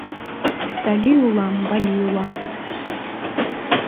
Тали улам, вали улам